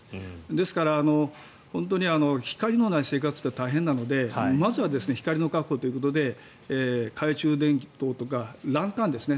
ですから、本当に光のない生活って大変なのでまずは光の確保ということで懐中電灯とかランタンですね。